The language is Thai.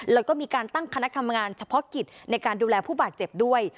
แล้วก็มีการตั้งคณะทำงานเฉพาะกิจในการดูแลผู้บาดเจ็บด้วย